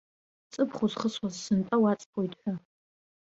Ҵыԥх узхысуаз сынтәа уаҵԥоит ҳәа.